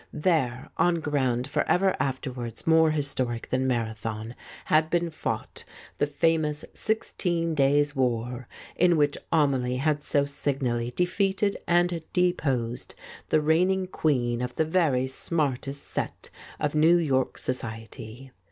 There, on ground for ever afterwards more historic than Marathon, had been fought the famous sixteen days' war, in which Amelie had so signally defeated and deposed the reigning queen of the very smartest set of New York society.